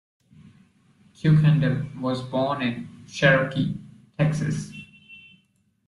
Kuykendall was born in Cherokee, Texas.